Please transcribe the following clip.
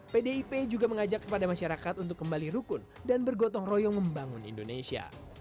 pdip juga mengajak kepada masyarakat untuk kembali rukun dan bergotong royong membangun indonesia